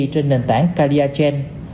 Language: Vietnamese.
trên nền tảng cardiacen